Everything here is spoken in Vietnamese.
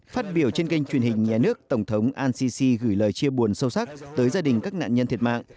phát biểu trên kênh truyền hình nhà nước tổng thống al sisi gửi lời chia buồn sâu sắc tới gia đình các nạn nhân thiệt mạng